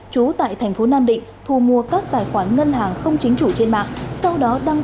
trú tại thành phố nam định thu mua các tài khoản ngân hàng không chính chủ trên mạng sau đó đăng